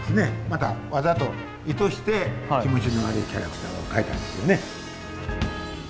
またわざと意図して気持ちの悪いキャラクターを描いたんですよね。